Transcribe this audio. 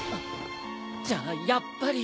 じゃあやっぱり。